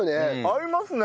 合いますね。